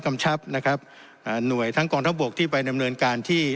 กำชับนะครับอ่าหน่วยทั้งกองทัพบกที่ไปดำเนินการที่